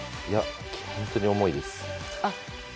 本当に重いです。